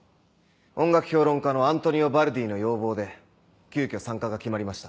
音楽評論家のアントニオ・バルディの要望で急きょ参加が決まりました。